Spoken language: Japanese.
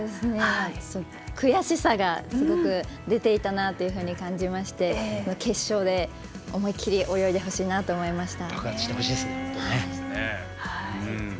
悔しさがすごく出ていたなと感じまして決勝で思い切り泳いでほしいなと思いました。